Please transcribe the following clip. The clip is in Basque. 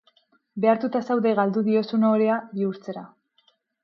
Behartua zaude galdu diozun ohorea bihurtzera.